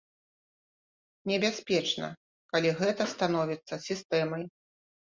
Небяспечна, калі гэта становіцца сістэмай.